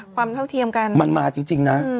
เท่าเทียมกันมันมาจริงนะ